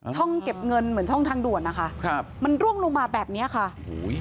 เก็บเงินเหมือนช่องทางด่วนนะคะครับมันร่วงลงมาแบบเนี้ยค่ะโอ้โห